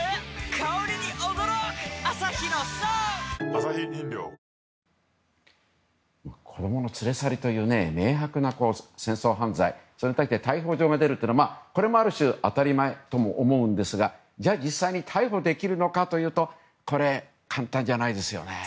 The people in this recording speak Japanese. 香りに驚くアサヒの「颯」子供の連れ去りという明白な戦争犯罪に対して逮捕状が出るというのはある種、当たり前とも思うんですが実際に逮捕できるのかというとこれは簡単じゃないですよね。